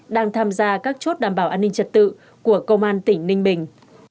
đang tham gia các chốt đảm bảo an ninh trật tự của công an tỉnh ninh bình